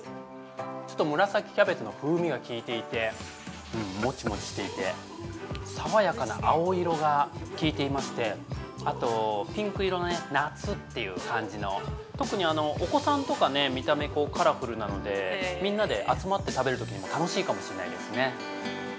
ちょっと紫キャベツの風味が効いていてもちもちしていて爽やかな青色が効いていましてあと、ピンク色の夏っていう感じの特にお子さんとか、見た目カラフルなのでみんなで集まって食べるときにも楽しいかもしれないですね。